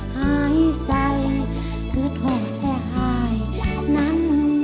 หายใจคือเถอะแค่หายนั้น